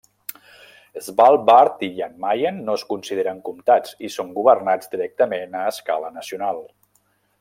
Svalbard i Jan Mayen no es consideren comtats i són governats directament a escala nacional.